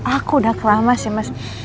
aku udah keramas ya mas